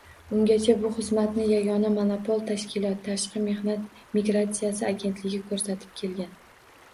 Ungacha bu xizmatni yagona, monopol tashkilot Tashqi mehnat migratsiyasi agentligi ko'rsatib kelgan